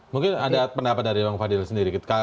mungkin ada pendapat dari bang fadil sendiri